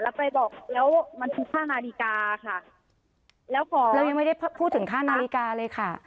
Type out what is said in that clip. แล้วไปบอกแล้วมันทุกค่านาฬิกาค่ะแล้วบอกแล้วยังไม่ได้พูดถึงค่านาฬิกาเลยค่ะ